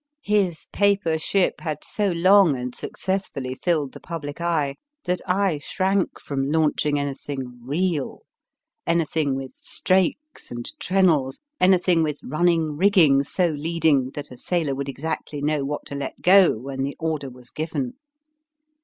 His paper ship had so long and successfully filled the public eye that I shrank from launch ing anything real, anything with strakes and treenails, anything with running rigging so leading that a sailor would exactly know what to let go when the order was given.